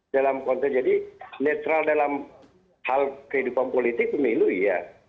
dalam konteks jadi netral dalam hal kehidupan politik pemilu iya